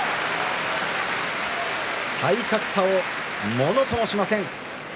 体格差をものともしません。